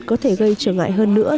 có thể gây trở ngại hơn nữa